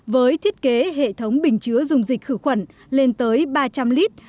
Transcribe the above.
với thiết kế hệ thống bình chứa dùng dịch khử khuẩn lên tới ba trăm linh lít